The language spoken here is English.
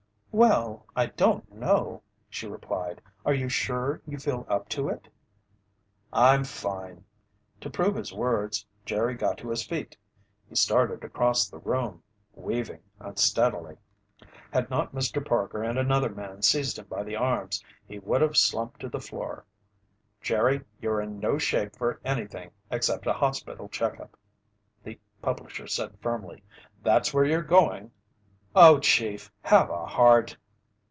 "Well, I don't know," she replied. "Are you sure you feel up to it?" "I'm fine." To prove his words, Jerry got to his feet. He started across the room, weaving unsteadily. Had not Mr. Parker and another man seized him by the arms, he would have slumped to the floor. "Jerry, you're in no shape for anything except a hospital checkup," the publisher said firmly. "That's where you're going!" "Oh, Chief, have a heart!"